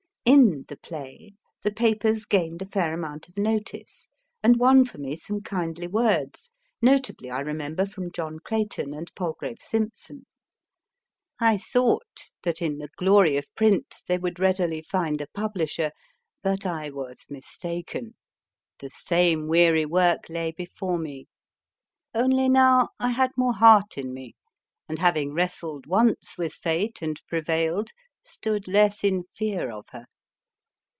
In The Play the papers gained a fair amount of notice, and won for me some kindly words ; notably, I remember, from John Clayton and Palgrave Simpson. I thought that in the glory of print they would readily find a publisher, but I was mistaken. The same weary work lay before me, only JEROME K. JEROME 233 no\v I had more heart in me, and, having wrestled once with Fate and prevailed, stood less in fear of her.